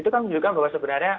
itu kan menunjukkan bahwa sebenarnya